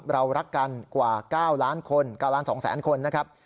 เรารักกันกว่า๙ล้านคน๙ล้าน๒แสนคนนะครับ